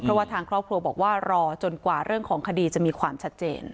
เพราะว่าทางครอบครัวบอกว่ารอจนกว่าเรื่องของคดีจะมีความชัดเจน